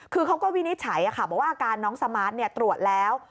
คือเขาก็วินิจฉัยบอกว่าอาการน้องสมาร์ทตรวจแล้ว